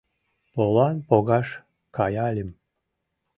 Полан погаш каяльым.